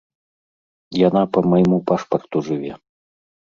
Яна па майму пашпарту жыве.